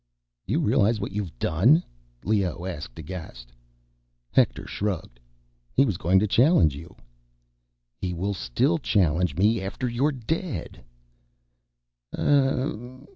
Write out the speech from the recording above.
"Do you realize what you've done?" Leoh asked, aghast. Hector shrugged. "He was going to challenge you—" "He will still challenge me, after you're dead."